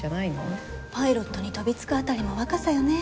パイロットに飛びつくあたりも若さよね。